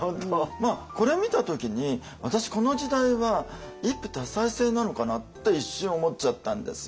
これ見た時に私この時代は一夫多妻制なのかなって一瞬思っちゃったんですよ。